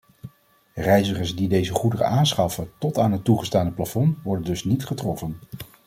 Reizigers die deze goederen aanschaffen tot aan het toegestane plafond worden dus niet getroffen.